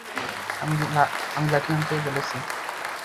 আমি লাঠি আনতে বলেছি!